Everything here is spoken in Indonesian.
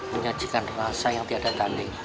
menyajikan rasa yang tidak ada tanding